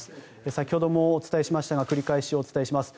先ほどもお伝えしましたが繰り返しお伝えします。